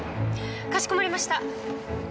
かしこまりました。